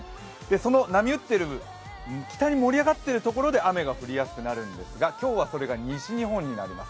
その波打っている、北に盛り上がっているところで雨が降りやすくなるんですが、今日はそれが西日本になります。